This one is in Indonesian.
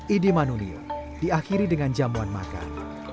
idy manunil diakhiri dengan jamuan makan